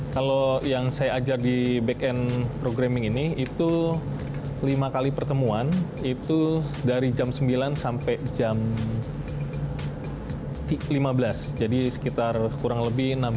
kalau yang saya ajar di back end programming ini itu lima kali pertemuan itu dari jam sembilan sampai jam lima belas jadi sekitar kurang lebih enam belas